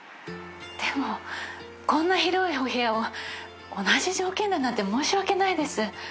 でもこんな広いお部屋を同じ条件だなんて申し訳ないです。